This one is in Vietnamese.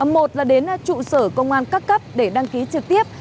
một là đến trụ sở công an các cấp để đăng ký trực tiếp